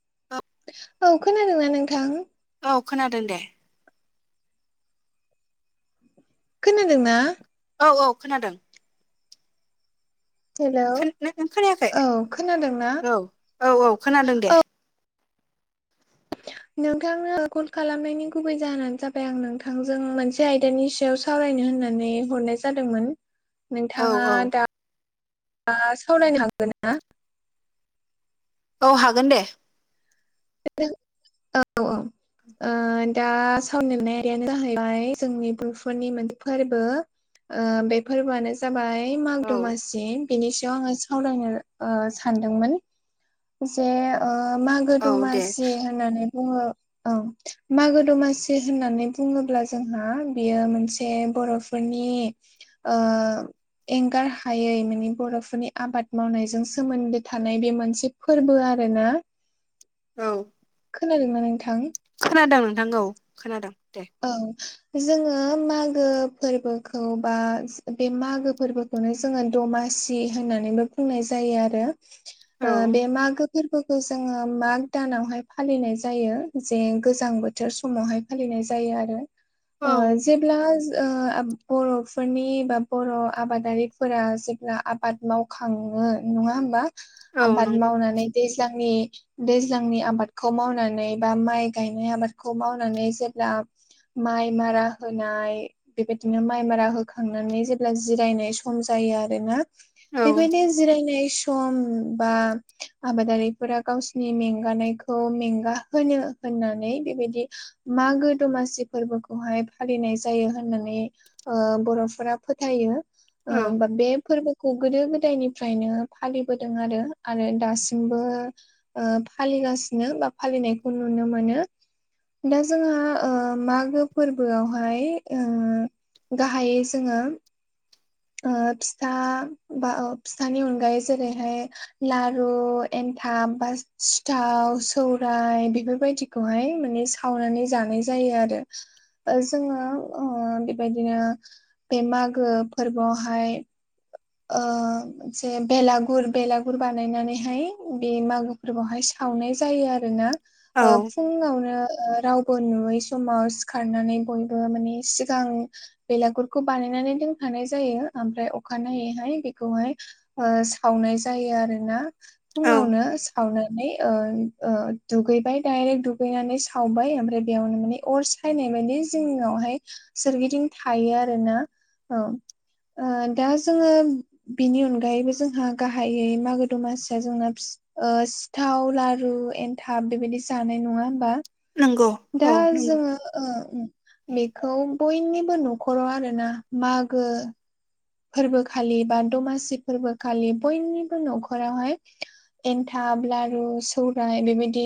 [unintelligible] औ खोनादोंना नोंथां? औ खोनादों दे खोनादोंना? औ औ खोनादों हेलौ [unintelligible] खोनायाखै औ खोनादोंना औ औ औ खोनादों दे नोंथांनो कल खालामनायनि गुबै जाहोनानो जाबाय आं नोंथांजों मोनसे आयदानि सायाव सावरायनो होननानै हरनाय जादोंमोन औ नोंथाङा औ दा सावरायनो हागोनना? औ हागोन दे [unintelligible] औ औ ओ दा सावरायनो लानाय आयदायानो जाहैबाय जोंनि बर'फोरनि मोनसे फोरबो ओ बे फोरबोआनो जाबाय औ माग-दमासि बेनि सायाव आङो सावरायनो ओ सानदोंमोन जे ओ औ दे मागो-दमासि होननानै बुङो औ मागो-दमासि होननानै बुङोब्ला जोंहा बियो मोनसे बर' फोरनि ओ एंगार हायै माने बर'फोरनि आबाद मावनायजों सोमोन्दो थानाय बे मोनसे फोरबो आरोना औ खोनादोंना नोंथां? खोनादों नोंथां औ खोनादों दे औ जोङो मागो फोरबोखौ बा बे मागो फोरबो खौनो जोङो दमासि होननानैबो बुंनाय जायो आरो औ ओ बे मागो फोरबोखौ जोङो माग दानावहाय फालिनाय जायो जे गोजां बोथोर समावहाय फालिनाय जा जायो आरो औ ओ जेब्ला ओ आब बर'फोरनि बा बर' आबादारिफोरा जेब्ला आबाद माव खाङो नङा होमबा औ आबाद नंगौ मावनानै दैज्लांनि दैज्लांनि आबादखौ मावनानै बा माइ गायनाय आबादखौ मावनानै जेब्ला माइ मारा होनाय बेबायदिनो माइ मारा होखांनानै जेब्ला जिरायनाय सम जायो आरोना औ बेबायदि जिरायनाय सम बा आबादारिफोरा गावसोरनि मेंगानायखौ मेंगा होनो होननानै बेबायदि मागो दमासि फोरबोखौहाय फालिनाय जायो होननानै ओ बर'फोरा फोथायो ओ औ बा बे फोरबो खौ गोदो-गोदायनिफ्रायनो फालिबोदों आरो आरो दासिमबो ओ फालिगासिनो बा फालिनायखौ नुनो मोनो दा जोंहा ओ मागो फोरबोआवहाय ओ गाहायै जोङो ओ फिथा बा फिथानि अनगायै जेरैहाय लारु एनथाब बा सिथाव सौराय बेफोरबायदिखौहाय माने खावनानै जानाय जायो आरो ओ जोङो ओ बेबायदिनो बे मागो फोरबोआवहाय ओ जे बेलागुर बेलागुर बानायनानैहाय बे मागो फोरखौहाय सावनाय‌ जायो आरोना औ ओ फुङावनो‌ ओ रावबो‌ बो नुयै समाव सिखारनानै बयबो माने सिगां बेलागुरखौ बानायनानै दोन दोनखानाय जायो आमफ्राय अखानायैहाय बेखौहाय ओ सावनाय जायो आरोना औ फुंआवनो सावना नानै ओ ओ दुगैबाय डाइरेक्ट दुगैनानै सावबाय आमफ्राय बेयावनो माने अर सायनाय मानि जिनिआवहाय सोरगिदिं थायो आरोना औ ओ दा जोङो बिनि अनगायैबो जोंहा गाहायै मागो दमासिआ जोंना फि ओ सिथाव लारु एनथाब बेदिनो जानाय नङा होनबा नोंगौ दा जोङो ओ बेखौ बयनिबो न'खराव आरोना मागो फोरबोखालि बा दमासि फोरबोखालि बयनिबो न'खरावहाय एन्थाब लारु सौराय बेबायदि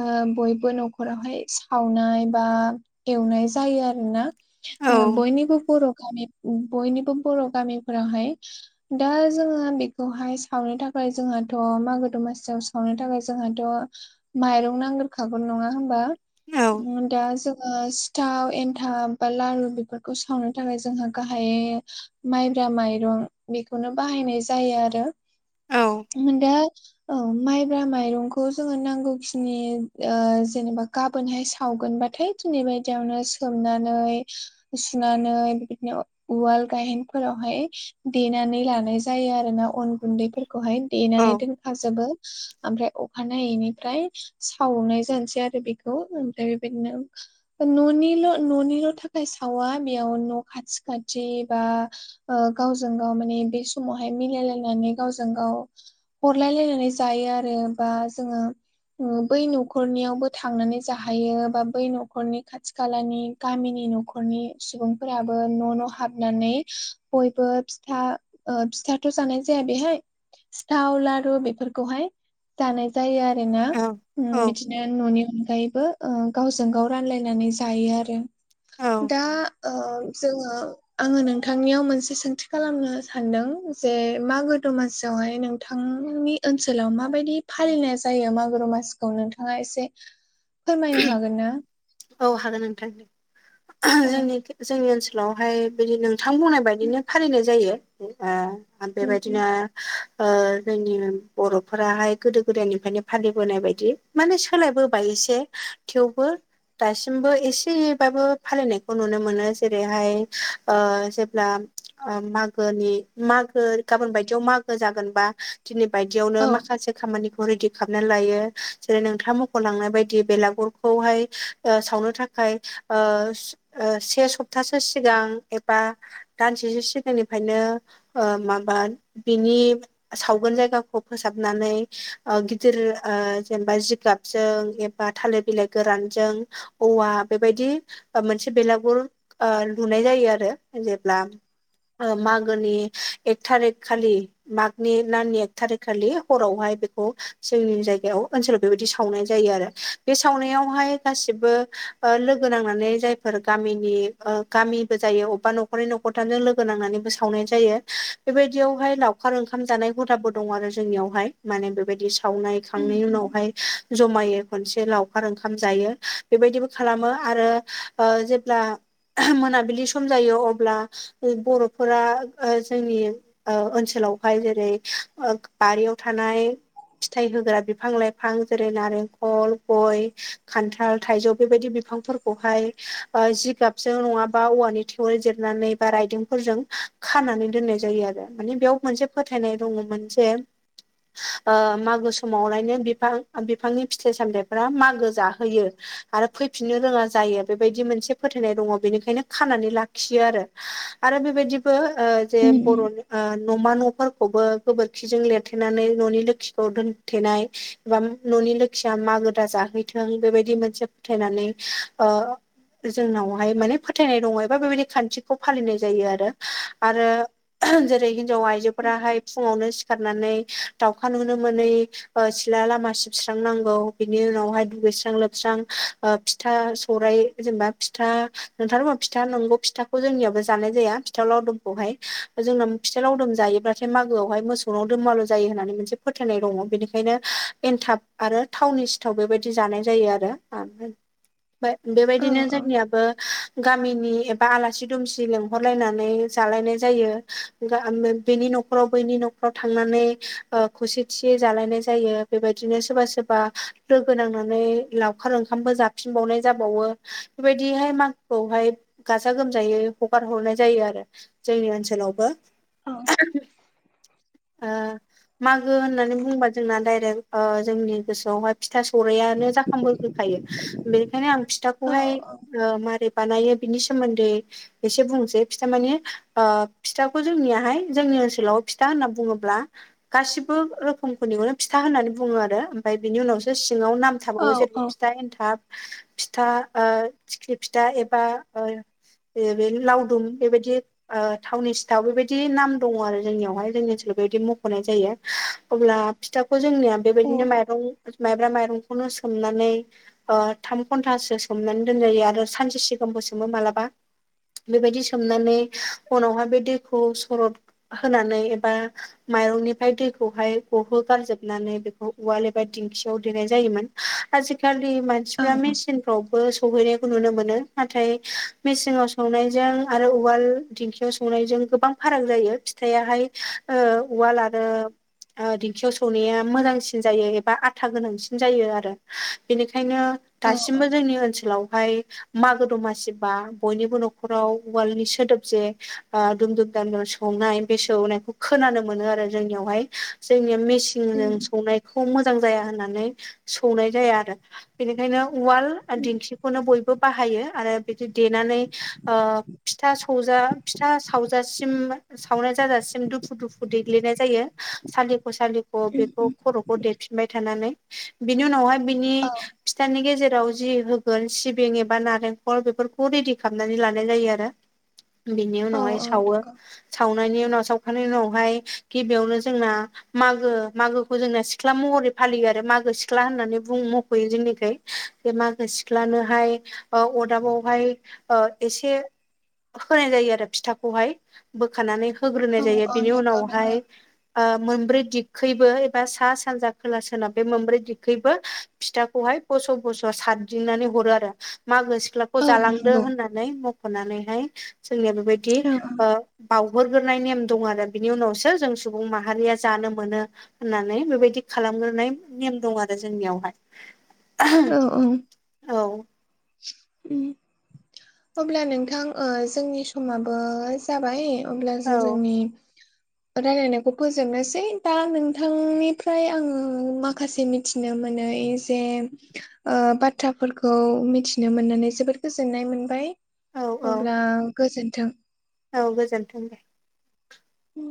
ओ बयबो न'खरावहाय सा सावनाय बा एवनाय जायो आरोना औ ओ बयनिबो बर' गामि बयनिबो बर' गामिफोरावहाय दा जोङो बेखौहाय सावनो थाखाय जोंहाथ' मागो दमासिआव सावनो थाखाय जोंहाथ' माइरं नांगोरखागौ नङा होनबा औ ओ दा जोङो सिथाव एनथाब बा लारु बेफोरखौ सावनो थाखाय जोंहा गाहायै माइब्रा माइरं बेखौनो बाहायनाय जायो आरो औ दा औ माइब्रा माइरंखौ जोङो नांगौखिनि ओ जेनोबा गाबोनहाय सावगोनबाथाय दिनै बादिआवनो सोमनानै सुनानै बिदिनो उवाल गाहेन फोरावहाय देनानै लानाय जायो आरो ना अन गुनदैफोरखौहाय देनानै औ दोनखाजोबो आमफ्राय अखानायैनिफ्राय सावनाय जानोसै आरो बेखौ ओमफ्राय बेबायदिनो न'निल' न'निल' थाखाय सावा बेयाव न' खाथि खाथि बा ओ गावजों गाव माने बे समावहाय मिलायलायनानै गावजों गाव हरलायलायनानै जायो आरो बा जोङो ओ बै न'खरनिआवबो थांनानै जाहैयो बा बै न'खरनि खाथि खालानि गामिनि न'खरनि सुबुंफोराबो न' न' हाबनानै बयबो फिथा ओ फिथाथ' जानाय जाया बेहाय सिथाव लारु बेफोरखौहाय जानाय जायो आरो ना औ ओ बिदिनो न'नि अनगायैबो ओ गावजों गाव रानलायनानै जायो आरो औ दा ओ जोङो आङो नोंथां नोंथांनिआव मोनसे सोंथि खालामनो सानदों जे मागो दमासियावहाय नोंथांनि ओनसोलाव माबायदि फालिनाय जायो मागो दमासिखौ नोंथांआ एसे फोरमायनो हागोन ना? औ हागोन नोंथां ओह ओं जोंनि जोंनि ओनसोलावहाय बिदिनो नोंथां बुंनाय बायदिनो फालिनाय जायो ओ‌ बेबायदिनो ओ‌ जोंनि बर'फोराहाय गोदो गोदायनिफ्रायनो फालिबोनाय बायदि मानि सोलायबोबाय एसे थेवबो दासिमबो एसेबाबो फालिनायखौ नुनो मोनो जेरैहाय ओ जेब्ला मागोनि मागो गाबोन बायदिआव मागो जागोनबा दिनै बायदिआवनो औ माखासे खामानिखौ खौ रेडि खालामनानै लायो जेरै नोंथांआ मख'लांनाय बायदि बेलागुरखौहाय ओ सावनो थाखाय ओ ओ से सप्तासो सिगां एबा दानसेसो सिगांनिफ्रायनो ओ‌ माबा बिनि सावगोन जायगाखौ फोसाबनानै गिदिर जेनेबा जिगाब जों एबा थालिर बिलाइ गोरानजों औवा बेबायदि मोनसे बेलागुर लुनाय जायो आरो जेब्ला मागोनि एक थारिख खालि मागनि नाननि एक थारिख खालि हरावहाय बेखौ जोंनि जायगायाव ओनसोलाव बेबायदि सावनाय जायो आरो बे सावनायावहाय गासिबो लोगो नांनानै जायफोर गामिनि गामिबो जायो अबेबा नखर नखरनै न'खरथामजों लोगो नांनानैबो सावनाय जायो बेबायदियावहाय लावखार ओंखाम जानाय हुदा दं आरो जोंनियावहाय माने बेबायदि सावनाय खांनायनि उनावहाय जमायै खनसे लावखार ओंखाम जायो बेबायदिबो खालामो आरो जेब्ला मोनाबिलि सम जायो अब्ला बर'फोरा जोंनि ओनसोलावहाय जेरै बारियाव थानाय फिथाइ होग्रा बिफां लाइफां जेरै नारेंखल गय खान्थाल थाल थाइजौ बेबायदि बिफांफोरखौहाय जिगाबजों नङाबा औवानि थेवोल जिरनानै बा राइदिफोरजों खानानै दोननाय जायो आरो मान बेयाव मोनसे फोथायनाय दङमोन जे मागो समाव रायनो बिफां बिफांनि फिथाइ सामथाइफोरा मागो जाहोयो आरो फैफिननो रोङा जायो बेबायदि मोनसे फोथायनाय दङ बेनिखायनो खानानै लाख खियो आरो आरो बेबायदिबो जे बर'नि न'मा न'फोरखौबो गोबोरखिजों लिरथेनानै न'नि लोखिखौ दोनथेनाय बा न'नि लोखिया मागोदा जाहैथों बेबायदि मोनसे फोथायनानै जोंनावहाय माने फोथायनाय दङ एबा बेबायाददि खान्थिखौ फालिनाय जायो आरो आरो जेरै हिनजाव आइजोफोराहाय फुङावनो सिखारनानै दाउखा नुनो मोनै सिथला लामा सिबस्रां नांगौ बिनि उनावहाय दुगैस्रां लोबस्रां फिथा सौरायाइ जेनेबा फिथा नोंथारा फिथा नंगौ फिथा जोंनियाव जानाय जाया फिथाव लावदुमखौहाय जों फिथा लावदुम जायोब्लाथाय मागोआवहाय मोसौ ङाव दोमालु जायो होननानै मोनसे फोथायनाय दङ बेनिखायनो एनथाब आरो थावनि बेबायदि जानाय जायो आरो बेबायदिनो जोंनियाबो गामि गामिनि एबा आलासि दुमसि लेंंहरनानै जालायनाय जायो बेनि न'खराव बैनि न'खराव थांनानै खौसेथियै जालायनाय जायो बेबायदिनो सोरबा सोरबा लोगो नांनानै ला अखार ओंखामबो जाफिनबावनाय जाबावो बेबायदिहाय मागोखौहाय गाजा गोमजायै हगार हरनाय जायो आरो जोंनि ओनसोलावबो ओ [inaudible] मागो होननानै बुंबा जोंना दडायरेक्ट जोंनि गोसोआवहाय फिथा सौरायानो जाखांबो खायो बेनिखायनो आं फिथाखौहाय औ माबारै बानायो बिनि सोमोन्दै एसे बुंनोसै फिथा माने फिथाखौ जोंनियाहाय जोंनि ओनसोलाव फिथा होनना बुङोब्ला गासिबो रोखोमखौनिखौनो फिथा होननानै बुङो आरो ओमफ्राय बेनि उनाव सो सिङाव नाम थाबावो औ जेरै फिथा एन्थाब फिथा थिख्रि फिथा एबा बे लावदुम बेबायदि थावनि सिथाव बेबायदि नाम दङ' आरो जोंनियावहाय जोंनि बेबायदि मख'नाय जायो अब्ला फिथाखौ जोंनिया बेबायदिनो माइरं माइब्रा माइरंखौनो सोमनानै थाम घन्टासो सोमनानै दोनजायो आरो सानसे सिगांबो सोमो मालाबा बेबायदि सोमनानै उनावहााय बे दैखौ सरद होनानै एबा माइरंनिफ्राय दैखौहाय गहो गारजोबनानै बेखौ उवाल एबा दिंखियाव देनाय जायोमोन आजिखाालि मानसिफोरा मेसिन आवबो सहैनायखौ नुनो मोन नाथाय मेसेनाव संनायजों आरो उवाल दिंखियाव स संनायजों गोबां फाराग जायो फिथायाहाय ओ उवाल आरो दिंखियाव सौनाया मोजांसिन जायो एबा आथा गोनांसिन जायो आरो बेनिखायनो औ दासिमबो जोंनि ओनसोलावहाय मागो दमासि बा बयनिबो न'खराव उवालनि सोदोब जे दुमदुम दाम दाम सौनाय बे सौनायखौ खोनानो मोनो आरो जोंनियावहाय जोंनिया मेचिनजों सौनाय खौ मोजां जाया होननानै सौनाय जाया आरो बेनिखायनो उवाल दिंखिखौनो बयबो बाहायो आरो बिदि देनानै ओ फिथा सौजा फिथा सावजासिम सावनाय जाजासिम दु हुदुफु देग्लिनाय जायो सालिख' सालिख' बेखौ खर'खौ देफिनबाय थानानै बिनि उनावहाय बिनि फिथानि गेजेराव जि होगोन सिबिं एबा नारेंखल बेफोरखौ रेडि खालामनानै लानाय जायो आरो बेनि औ उनावहाय औ सावो नंगौ सावनायनि उनाव साव खांनायनि उनावहाय गिबियावनो जोंना मागो मागोखौ जोंना सिख्ला महरै फालियो आरो मागो सिख्ला होननानै बुं मख'यो जोंनिखै बे मागो सिख्लानोहाय ओ अरदाबावहाय ओ एसे होनाय जायो आरो फिथाखौहाय बोखानानै होग्रोनाय औ जायो औ बिनि नंगौ उनावहाय नंगौ मोनब्रै दिखैबो एबा सा सानजा खोला सोनाब बे मोनब्रै दिखैबो फिथाखौहाय बोस' बस' सारदिंनानै हरो आरो मागो सिख्ला खौ औ जालांदो नंगौ होननानै मख'नानैहाय जोंनिया बेबायदि औ ओ बावहरग्रोनाय नेम दं आरो बिनि उनावसो जों सुबुं माहारिया जानो मोनो होननानै बेबायदि खालामग्रोनाय नेम दं आरो जोंनियावहाय औ औ अब्ला नोंथां जोंनि समाबो जाबाय अब्ला जों औ जोंनि रायलायनायखौ फोजोबनोसै दा नोंथांनिफ्राय आङो माखासे थिनो मोनै जे बाथ्राफोरखौ मिथि नो मोननानै जोबोद गोजोननाय मोनबाय औ औ अब्ला गोजोन्थों औ गोजोन्थों दे उम